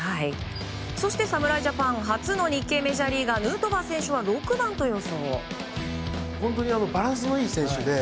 そして侍ジャパン初の日系メジャーリーガーヌートバー選手は６番と予想。